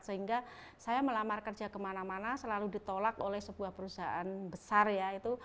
sehingga saya melamar kerja kemana mana selalu ditolak oleh sebuah perusahaan besar ya itu